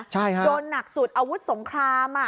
ใช่ค่ะโดนหนักสุดอาวุธสงคราม